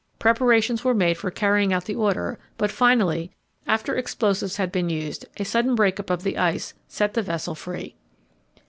Preparations were made for carrying out the order, but finally, after explosives had been used, a sudden break up of the ice set the vessel free.